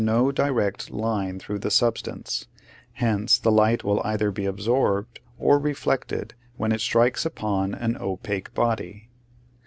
no direct line through the substance, hence the light will either be absorbed or reflected when it strikes upon an opaque body.